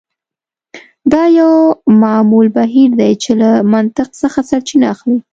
دا یو معمول بهیر دی چې له منطق څخه سرچینه اخلي